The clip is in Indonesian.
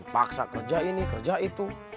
paksa kerja ini kerja itu